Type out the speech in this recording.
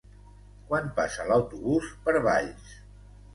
Quan passa l'autobús per Valls?